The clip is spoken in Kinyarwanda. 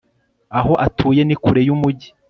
aho atuye ni kure yumujyi